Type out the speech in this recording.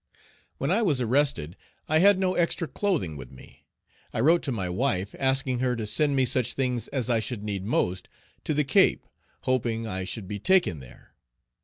When I was arrested, I had no extra clothing with me. I wrote to my wife, asking her to send me such things as I should need most to the Cape, hoping I should be taken there.